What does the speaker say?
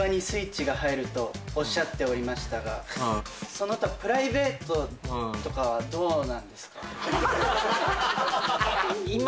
その他プライベートとかはどうなんですか？